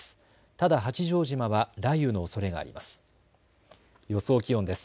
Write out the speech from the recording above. ただ八丈島は雷雨のおそれがあります。